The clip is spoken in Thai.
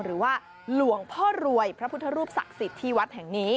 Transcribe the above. หรือว่าหลวงพ่อรวยพระพุทธรูปศักดิ์สิทธิ์ที่วัดแห่งนี้